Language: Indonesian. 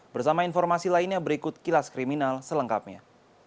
bersama informasi lainnya berikut kilas kriminal selengkapnya